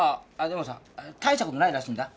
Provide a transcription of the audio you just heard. でもさ大したことないらしいんだ。